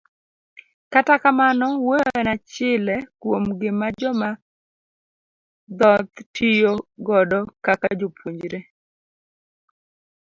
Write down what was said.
Kata kamano, wuoyo en achile kuom gima joma dhoth tiyo godo kaka jopuonjre.